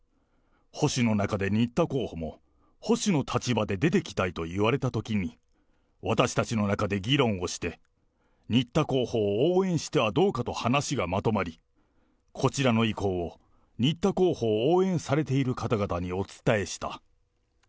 保守の中で新田候補も、保守の立場で出てきたいといわれたときに、私たちの中で議論をして、新田候補を応援してはどうかと話がまとまり、こちらの意向を新田候補を応援されている方々にお伝えした。